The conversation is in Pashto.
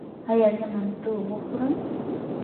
ایا زه منتو وخورم؟